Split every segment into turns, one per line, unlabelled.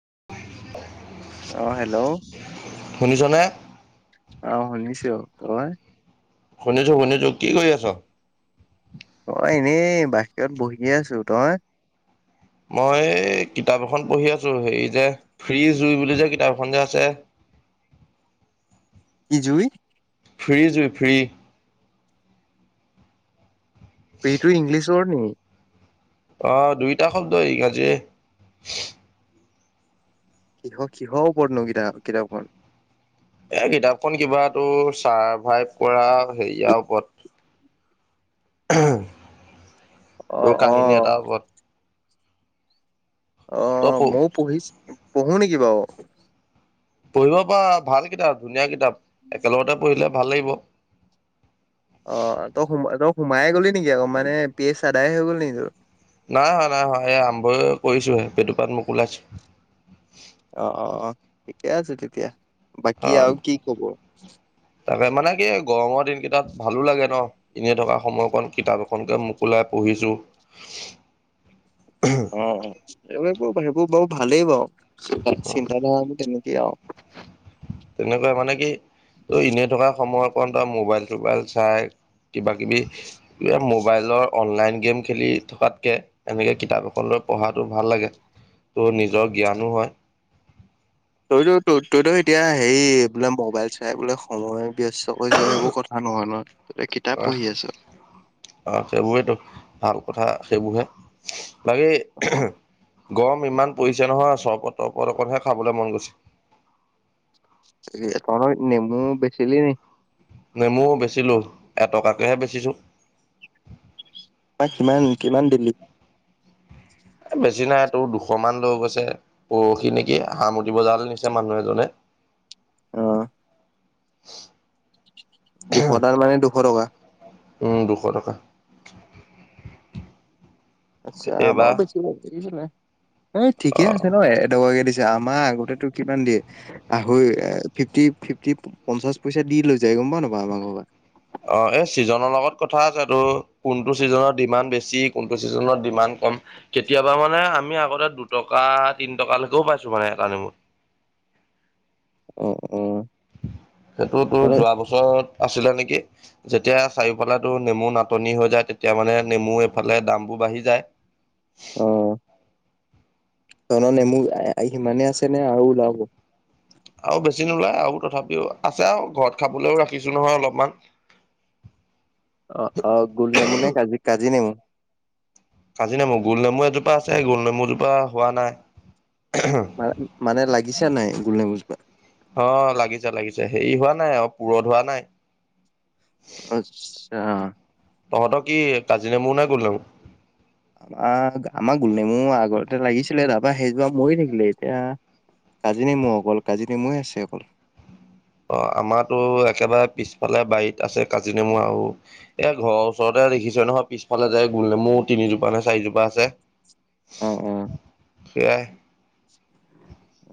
হয়
আহ হেল্ল'
শুনিছনে?
আহ শুনিছো তই [unintelligible]
শুনিছো শুনিছো কি কৰি আছ
অ এনেই বাহিয়ত বহি আছো তই [unintelligible]
মই কিতাপ এখন পঢ়ি আছো হেৰি যে ফ্ৰী জুই বুলি যে কিতাপ এখন যে আছে [inaudible]
কি জুই
ফ্ৰী জুই ফ্ৰী
প্ৰিটো ইংলিছ ৱৰ্ড নি
আহ দুইটা শব্দ ইংৰাজীয়ে
কিহৰ কিহৰ ওপতনো কিতাপ কিতাপখন
এ কিতাপখন কিবাতটো চাৰভাইভ কৰা হেৰিয়াৰ ওপৰত
অ
তোৰ
অ
কাহিনী এটা উপত।
অ মই পঢ়িছ পঢ়ো নেকি বাৰু
পঢ়িব পাৰ ভাল কিতাপ ধুনীয়া কিতাপ একেলগতে পঢ়িলে ভাল লাগিব।
অ তই সোমাই তই সোমাইে গ'লি নেকি আকৌ মানে পেজ আদাই হৈ গ'ল নেকি তোৰ
নাই হয় নাই এই আৰম্ভয় কৰিছোহে বেটুপাত মোক ওলাইছো
অ অ ঠিকে আছে তেতিয়া
অ
বাকী আৰু কি কব
তাকে মানে কি গৰমৰ দিন কেইটাত ভালো লাগে ন এনেই থকা সময়কণ কিতাপ এখনকে মোকলাই পঢ়ি ছো
উম এইবোৰ সেইবোৰ বাৰু ভালেই বাৰু
অ',
চিন্ত ধাৰা তেনেকেই আৰু
তেনেকুৱা মানে কি ত এনেই থকা সময়কণ ত মোবাইল চোবাইল চাই কিবা কিবি মোবাইলৰ অনলাইন গেম খেলি থকাতকে এনেকে কিতাপ এখন পঢ়াটো ভাল লাগে ত' নিজৰ জ্ঞানো হয়
তইতো ত তইতো এতিয়া হেৰি বোলে মোবাইল চাই বোলে সময়। ব্যস্ত কৰিছো সেইবোৰ কথা নহয় নহয়
আহ অ সেইবোৰেতো ভাল কথা সেইবোৰহে বাকী
অ',
গম ইমান পৰিছে নহয় চৰবত তৰবত অকনহে খাবলৈ মন গৈছে।
তই নেমু বেচিলি নি
নেমুও বেচিলো এটকাকেহে বেচিছো
কিমান কিমান দিবি
বেছি নাই তোৰ দুশমান লৈ গৈছে পৰহি নেকি সামটি বজাৰলৈ নিছে মানুহ এজনে [inaudible]
আহ দুশটাৰ মানে দুশ টকা
উম দুশ টকা
আচ্ছা আমাৰ
এইবাৰ
বেছি এই ঠিকে
অ'।
আছে ন এটকাকে দিছে। আমাৰ আগতেটো কিমান দিয়ে আহৰি ফিফটি ফিফটি পঞ্চাশ পইচা দি লৈ যায় গম পাও নাপাও আমাকবা
অ এই চিজনৰ লগত কথা আছে টো কোনটো ছিজনৰ ডিমাণ্ড বেছি কোনটো চিজ ডিমাণ্ড কম কেতিয়াবা মানে আমি আগতে দুটকা তিন টকালৈকেও পাইছো মানে এটানমত
অ অ
সেইটো তোৰ
তহঁতৰ
যোৱা বছৰত আছিলে নেকি যেতিয়া চাৰিওফালে নেমু নাটনি হৈ যায় তেতিয়া মানে নেমু এইফালে দাম বোৰ বাঢ়ি যায়।
অ। তহঁতৰ নেমু ইমানে আছে নে আৰু ওলাব
আৰু বেছি নোলায় আৰু তথাপিও আছে আৰু ঘৰত খাবলৈও ৰাখিছো নহয় অলপমান [unintelligible]
অ অ গোল নেমু নে কাজি কাজি নেমু
কাজি নমু গোল নমু এজোপা আছে গোল নেমুজোপা হোৱা নাই
ম মানে লাগিছো নাই গুল নেমু জোপা
অ লাগিছে লাগিছে হেৰি হোৱা নাই আৰু পুৰঠ হোৱা নাই।
অ অ।
তহঁতৰ কি কাজি নেমুৰ না গুল নেমু
আমা আমাৰ গুল নেমু আগৰতে লাগিছিলে তাৰাপা সেইজোপ মৰি থাকিলে এতিয়া কাজী নেমু অকল কাজী নেমুৱে আছে অকল
অ আমাৰটো একেবাৰে পিছফালে বাৰীত আছে কাজিনেমু আৰু এই ঘৰৰ ওচৰতে দেখিছ নহয় পিছফালে যায় গুল নেমু তিনিজোপা নে চাৰিজোপা আছে।
অ অ
সেইয়াই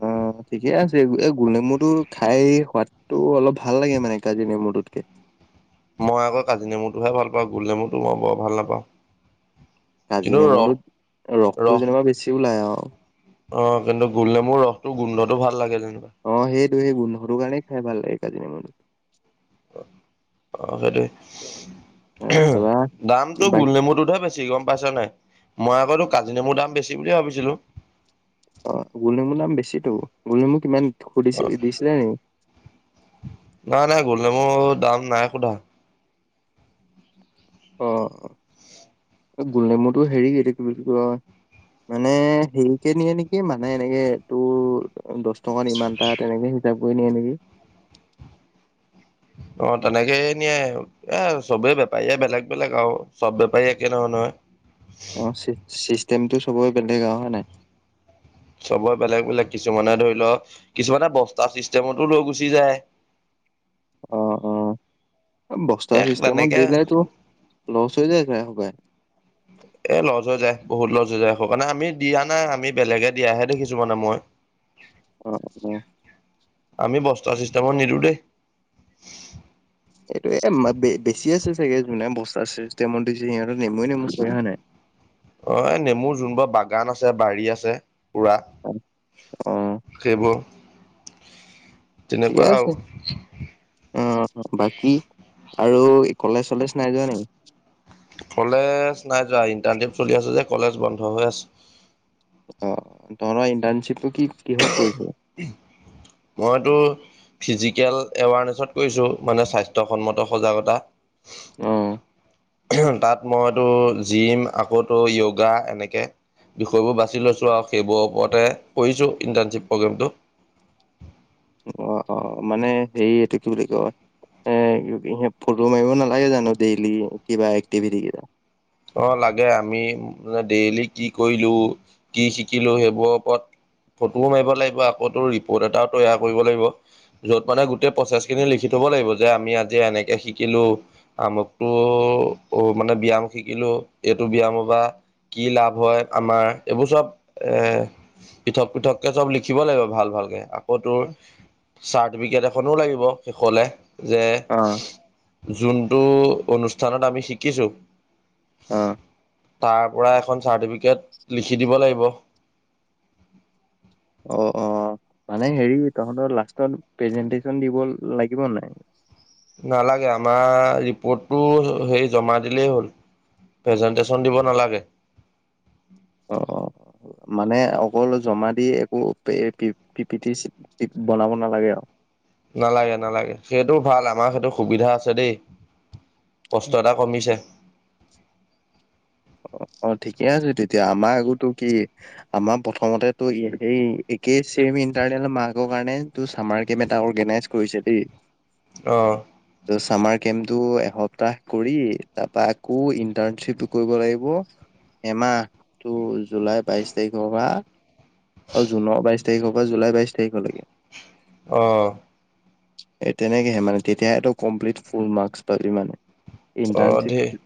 অ ঠিকে আছে এই গোল নমুটো খাই সোৱাদটো অলপ ভাল লাগে মানে কাজি নেমুটোতকে।
মই আকৌ কাজি নেমুটোহে ভাল পাওঁ গোল নেমুটো মই বৰ ভাল নাপাওঁ।
কাজি
কিন্তু
নেমু
ৰস
ৰসটো
ৰস
যেনিবা বেছি ওলায় আৰু।
অ কিন্তু গুল নেমু ৰসটো গোন্ধটো ভাল লাগে যেনিবা।
অ সেইটো সেই গোন্ধটো কাৰণেই খাই ভাল লাগে কাজিনেমু টো।
অ সেইটোৱে
অ তাৰপা
দামটো
বাক
গোল নমুটোতহে বেছি গম পাইছ নাই মই আকো কাজি নেমুৰ দাম বেছি বুলিয়ে ভাবিছিলো।
অ গোল নেমুৰ নাম বেছিতো গোল নমু কিমান
অ
সুধিছে দিছিলে নি
নাই নাই গল নাই মোৰ। দাম নাই সোধা।
অ গোলনেমুটো হেৰিতি কি বুলি কয় মানে হেৰিকে নিয়ে নেকি মানে এনেকে তোৰ দহ টকাত ইমানটা তেনেকে কিতাপ কৈ নিয়ে নেকি।
[unintelligible] অ তেনেকে এ নিয়ে এ চবে বেপাৰীয়ে বেলেগ বেলেগ আৰু চব বেপাৰী একে নহয় নহয়।
অ চিষ্টেমটো চবৰে বেলেগ আৰু হয় নাই।
চবৰে বেলেগ বেলেগ কিছুমানে ধৰি লওক কিছুমানে বস্তা চিষ্টেমতো লৈ গুচি যায়। [unintelligible]
অ অ বস্তা
এ
চিষ্টেমত
তেনেকে
দিলেতো লচ হৈ যায় চাগে সপাই।
এ লজ হৈ যায় বহুত লজ হৈ যায় আ কাৰণে আমি দিয়া নাই আমি বেলেগে দিয়াহে দেখিছো মানে মই। উ
অ অ
আমি বস্তা চিষ্টেমত নিদো দেই।
এইটো এ বেছি আছে চাগে বস্তা চ দিছে সিহঁতৰ নেমুৱে নেমু চাগে হয় নাই।
অ এই নেমুৰ যোনবোৰ বাগান আছে বাৰী আছে। পোৰা
অ'
সেইবোৰ তেনেকুৱা আৰু
চছে অ বাকি আৰু কলেজ চলেজ নাই যোৱা নেকি?
কলেজ নাই যোৱা ইণ্টাৰচিপ চলি আছে যে কলেজ বন্ধ হৈ আছে।
অ ত ইণ্টাৰ্নশিপটো কি? কিহত কৰিছ?
মইতো ফিজিকেল এৱাৰনেছত কৰিছোঁ মানে স্বাস্থ্যসন্মত সজাগতা।
আহ
তাত মইতো জিম আকৌ য়গা এনেকে বিষয়বোৰ বাছি লৈছো আৰু সেইবোৰৰ ওপৰতে কৰিছো ইন্টাৰ্শ্বিপ প্ৰগ্ৰেমটো।
অ অ মানে হে এইটো কি বুলি কয়। এ স ফটো মাৰিব নালাগে জানো ডেইলি কিবা এক্টিভিটি কেইটা।
অ লাগে আমি মান ডেইলি কি কৰিলো কি শিকিলো সেইবোৰৰ ওপৰত ফটোও মাৰিব লাগিব আকৌ তোৰ ৰিপৰ্ট এটাও তৈয়াৰ কৰিব লাগিব। য'ত মানে গোটেই প্ৰচেছ খিনি লিখি থব লাগিব যে আমি আজি এনেকে শিকিলো আমুকটো মানে ব্যাম শিকিলো এইটো ব্যায়াম বা কি লাভ হয় আমাৰ এইবোৰ চব এ পৃথক পৃথককে চব লিখিব লাগিব ভাল ভালকে আকৌ তোৰ। চাৰ্টিফিকেট এখনো লাগিব শেষলে। যে
অ
যোনটো অনুষ্ঠানত আমি শিকিছো।
অঁ!
তাৰ পৰা এখন চাৰ্টিফিকেট লিখি দিব লাগিব।
অ-অ মানে হেৰি তহঁতৰ লাষ্টত প্ৰেজেনটেচন দিব লাগিব নাই?
নালাগে আমাৰ ৰিপৰ্টটো হেৰি জমা দিলেই হ'ল। প্ৰেজেন্টেশচন দিব নালাগে?
অ-অ মানে অকল জমা দি একো পি-পিটি বনাব নালাগে আও।
নালাগে-নালাগে সেইটো ভাল আমাৰ সেইটো সুবিধা আছে দেই। কষ্ট এটা কমিছে।
[inaudible] অ ঠিকে আছে তেতিয়া আমাৰ আগতো কি আমাৰ প্ৰথমতেটো সেই একেই চেইম ইটাৰনেল মাৰ্কৰ কাৰণে তোৰ চামাৰ কেম এটা ডাঙৰকে অৰ্গেনাইজ কৰিছে দেই।
অ
ত' চামাৰ কেমটো এসপ্তাহ কৰি তাৰপা আকৌ ইন্টাৰ্নশ্বিপ কৰিব লাগিব এমাহ-টো জুলাই বাইশ তাৰিখৰ পৰা অ জুনৰ বাইশ তাৰিখৰ পৰা জুলাই বাইশ তাৰিখলৈকে।
অ
এই তেনেকেহে মানে তেতিয়াহো কমপ্লিট ফুল মাৰ্ক্স পাবি মানে।
অহ ধেৰ
ইণ্টাৰ্ণশ্বিপ,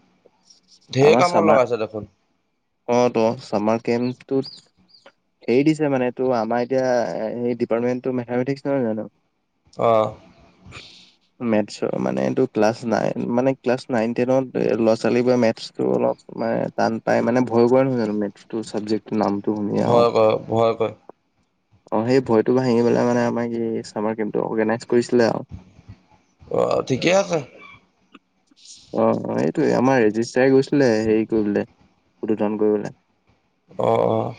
ধেৰ
আমাৰ
কামত লগাইছে দেখোন
চামাৰ অৱ তু চামাৰ কেম্পটোত হেৰি দিছে মানে এইটো আমাৰ এতিয়া এই ডিপাৰ্টমেন্টটো মেথামেটিক্স নহয় জানো।
আহ।
মেথছৰ মানে এইটো ক্লাছ নাইন মানে, ক্লাছ নাইন-টেনত ল'ৰা-ছোৱালীবোৰে মেথছটো অলপ মানে টান পাই মানে, ভয় কৰাৱা নহয় জানো মেথচটো চাবজেক্ট নামটো শুনিয়েই অ
ভয় কৰে ভয় কৰে
অ সেই ভয়তো ভাঙি পেলাই মানে আমাৰ কি চামাৰ কেমটো অৰ্গেনাইজ কৰিছিলে আৰু
অ, ঠিকেই আছে।
অ-অ এইটোৱেই আমাৰ ৰেজিষ্ট চাৰে গৈছিলে হেৰি কৰিবলে। উদ্বোধন কৰিবলে।
অ-অ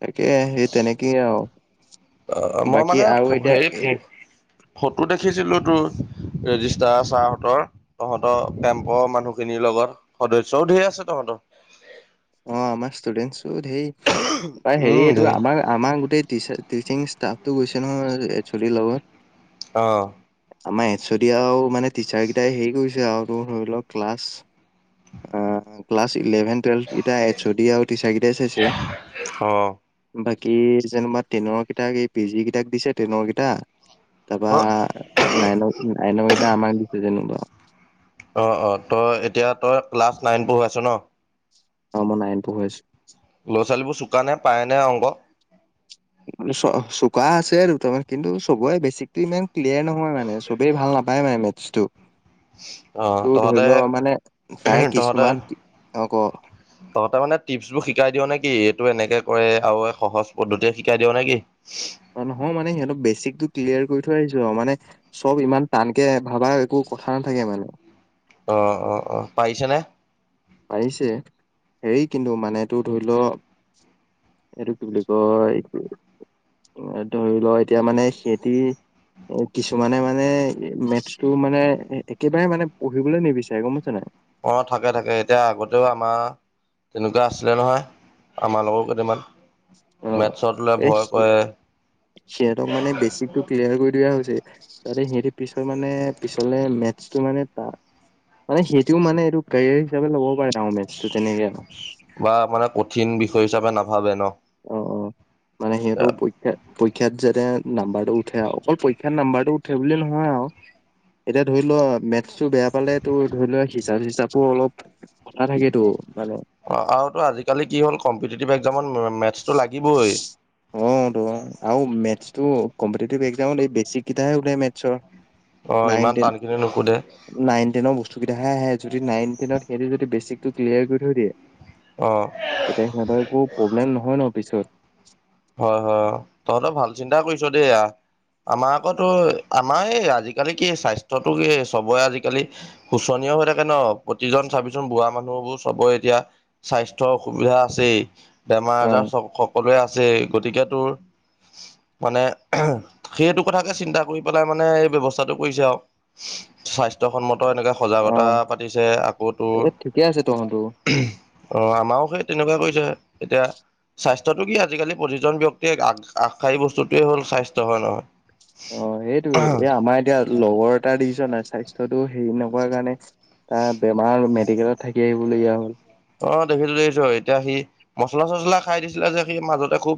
তাকে সেই তেনেকেই আও
অ মই মানে হেৰি, ফটো দেখিছিলো তোৰ। ৰেজিষ্টাৰ ছাৰহঁতৰ, তহঁতৰ কেম্পৰ মানুহখিনিৰ লগত সদস্যও ধেই আছে তহঁতৰ। [inaudible]
অ আমাৰ ষ্টুডেন্টচবোৰ ধেই প্ৰায় হেৰি
উম দে
এইটো আমাৰ-আমাৰ গোটেই টিচাৰ টিচিং ষ্টাফটো গৈছে নহয় একঞ্চলি লগত
অ
আমাৰ এছ দিয়াও মানে টিচাৰকেইটাই হেৰি কৰিছে। ধৰি লওক ক্লাছ-ক্লাছ ইলেভেন, টুৱেলভ এছ অ দি আও টিচাৰকেইটাই চাইছে।
অ
বাকী যেনোবা টেনৰকেইটাক এই পিজিকেইটাক দিছে টেইনৰকেইটা তাৰপা
অ
নাইন-নাইনকেইটা আমাক দিছে যেনিবা
অ-অ, তই এতিয়া তই ক্লাছ নাইন পঢ়ুৱাইছ ন?
অৱ, মই নাইন পঢ়ুৱাইছো।
ল'ৰা-ছোৱালীবোৰ চোকা নে, পাৰেনে অংক?
চোকা আছে দুটামান কিন্তু চবৰে বেচিকটো ইমান ক্লিয়াৰ নহয় মানে চবেই ভাল নহয় নাপায় মানে মেথছটো।
আহ,
তোৰ ধৰি
তহঁতে,
লও মানে তাৰে
তহঁতে
কিছুমান অ ক
তহঁতে মানে টিপছবোৰ শিকাই দিয় নেকি? এইটো এনেকে কৰে আৰু সহজ পদ্ধতিয়ে শিকাই দিয় নেকি?
নহয় মানে সিহঁত বেচিকটো ক্লিয়াৰ কৰি থৈ আহিছো আৰু মানে চব ইমান টানকে ভাবা একো কথা নাথাকে মানে
অ অ অ পাইছে নে।
পাৰিছে হেৰি কিন্তু মানেটো ধৰি লও। সেটোক কি বোলি কয়। ধৰি লও এতিয়া মানে সেতি। এ কিছুমানে মানে মেথছটো মানে একেবাৰে মানে পঢ়িবলৈ নিবিচাৰে গম পাইছ নাই।
অ থাকে থাকে এতিয়া আগতেও আমাৰ। তেনেকুৱা আছিলে নহয় আমাক।
অ এ সিহঁতক মানে বেচিকটো ক্লিয়াৰ কৰি দিয়া হৈছে। ত সিহতে পিছৰ মানে পিছলে মেছটো মানে তাত মানে সেইটিও মানে এইটো কেৰিয়াৰ হিচাপে ল'বও পাৰে না মেটছটো তেনেকে আও।
তু হিচাপে নভাবে ন।
অ অ মানে সিহঁতো পৰীক্ষা পৰীক্ষাত যে। যে নাম্বাৰটো উঠে অকল পৰীক্ষাৰ নাম্বাৰটো উঠে বুলি নহয় আও। এতিয়া ধৰি লোৱা মেথছটো বেয়া পালে তো ধৰি লোৱা হিচাপ চিচাপো অলপ কথা থাকেতো মানে।
অ আৰু তু আজিকালি কি হ'ল কম্পিটিভ একজামত।
অ ত আৰু মেটছ। টু কম্পিটিটিভ একজামত এই বেছিক কিতাহে ওলাই মেটছৰ।
অ', ইমান
নাইনটেন
টানখিনি নুসুধে
নাইনটেন বস্তু। কিটাহে আহে যদি নাইনটেনত সিহঁতি যদি বেচিক ক্লিয়াৰ কৰি থৈ দিয়ে।
অ',
তেতিয়া সিহঁতৰ একো প্ৰব্লেম নহয় ন পিছত।
হয় হয় তহঁতৰ ভাল চিন্তা কৰিছ দেই য়া। আমাৰ আকো আমাৰ এই আজিকালি কি স্বাস্থ্যটো কি চবৰে আজিকালি শুচনি। হৈ থাকে ন প্ৰতিজন চাবিচোন বুঢ়া মানুহবোৰ চবৰে এতিয়া স্বাস্থ্যৰ অসুবিধা আছেই। বেমাৰ
অ
আজাৰ সকলোৱে আছে গতিকে তোৰ। মানে সেইটো কথাকে চিন্তা কৰি পেলাই মানে এই ব্যৱস্থাটো কৰিছে আৰু স্বাস্থ্যসন্মত। এনেকে
অ
সজাগতা পাতিছে আকৌ তোৰ
এই ঠিকে আছে তহঁতো
অ আমাৰো সেই। তেনেকুৱা কৈছে এতিয়া স্বাস্থ্যটো কি আছে। আজিকালি প্ৰতিজন ব্যক্তিয়ে আগ আগশাৰী বস্তুটোয়ে হ'ল স্বাস্থ্য হয় নহয়।
অ সেইটোয়ে এই আমাৰ এতিয়া লগৰ এটা দেখিছ নাই স্বাস্থ্যটো হেৰি নকৱাৰ কাৰণে। তাৰ বেমাৰ মেডিকেলত থাকি আহিবলগীয়া হ'ল।
অ দেখিছো দেখিছো এতিয়া সি মচলা চচলা খাই দিছিলে যে সি মাজতে খুব।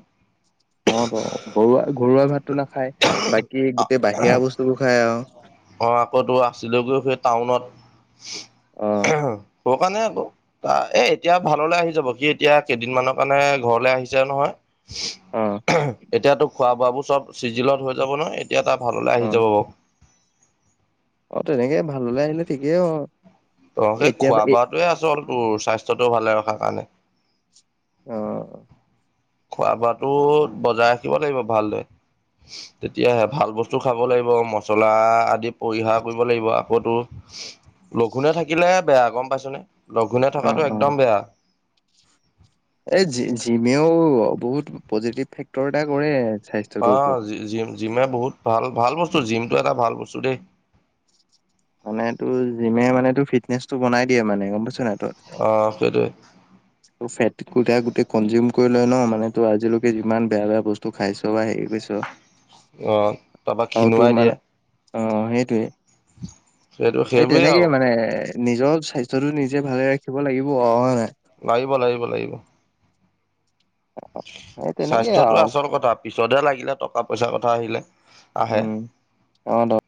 অ ত ঘৰুৱা ঘৰুৱা ভাতটো নাখায় বাকী গোটেই বাহিৰা বস্তুবোৰ খায় আৰু।
অ আকৌ তো আছিলোগৈ সেই টাউনত।
অ
ক কাৰণে আকৌ এ এতিয়া ভাললৈ আহি যাব সি এতিয়া কেইদিনমানানৰ কাৰণে ঘৰলে আহিছে নহয়।
অ।
এতিয়াতো খোৱা বোৱাবোৰ চব চিজিলত হৈ যাব নহ এতিয়া তাৰ ভাললে
অ
আহি যাব বাৰ।
অ তেনেকে ভাল হলে আহিলে ঠিকেই অ।
ত সেই
এতিয়া
খোৱা
বা- এ-
বোৱাাতোৱে আচল তোৰ স্বাস্থ্যটো ও ভালে ৰখাৰ কাৰণে।
অ।
খোৱা বোৱাটো বজাই ৰাখিব লাগিব ভালদৰে। তেতিয়াহে ভাল বস্তু খাব লাগিব মচলা আদি পৰিহাৰ কৰিব লাগিব আকৌতো। লঘোনে থাকিলে বেয়া গম পাইছনে লঘুনে
অ
থকাটো
অ
একদম বেয়া।
এই জি জিমেও বহুত পজিটিভ ফেক্টৰ এটা কৰে। স্বাস্থ্যটোৰ
অ
ওপৰত
জিম। জিমে বহুত ভাল ভাল বস্তু জিমটো এটা ভাল বস্তু দেই।
মানে তোৰ জিমে মানে ত ফিটনেচটো বনাই দিয়ে মানে গম পাইছ নাই। তই
অ সেইটোৱে।
ত ফেট কোটা গোটেই কনজিউম কৰি লয় ন মানে তোৰ আজিলৈকে যিমান বেয়া বেয়া বস্তু খাইছ বা হেৰি কৰিছ।
অ তাৰপা
আৰু তোৰ
খিনুৱাই
মানে
দিয়ে।
অ সেইটোৱে
সেইটো
এই
সেইবোৰেই আৰু
তেনেকে মানে। নিজৰ স্বাস্থ্যতো নিজে ভালে ৰাখিব লাগিব অ' হয় নাই?
লাগিব - লাগিব - লাগিব। কি
এই তেনেকেই
স্বাস্থ্যটো
আৰু
আচল কথা। পিছতহে লাগিলে টকা পইচাৰ কথা আহিলে, আহে।
উম অ' দ